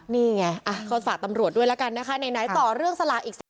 นี่ไงขอฝากตำรวจด้วยนะคะนายต่อเรื่องสลากอีกสิ่ง